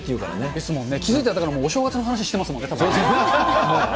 ですもんね、気付いたらたぶん、お正月の話してますもん。